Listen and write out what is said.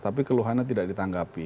tapi keluhannya tidak ditanggapi